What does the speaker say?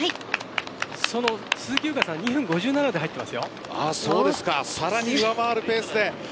その鈴木さん２分５７で入っています。